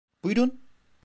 Buyrun.